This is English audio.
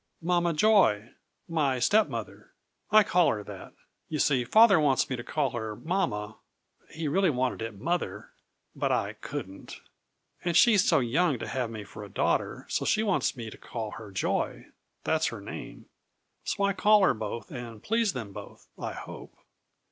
"Mama Joy my stepmother. I call her that. You see, father wants me to call her mama he really wanted it mother, but I couldn't and she's so young to have me for a daughter, so she wants me to call her Joy; that's her name. So I call her both and please them both, I hope.